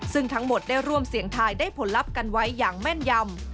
ซึ่งทั้งหมดได้ร่วมเสี่ยงทายได้ผลลัพธ์กันไว้อย่างแม่นยำ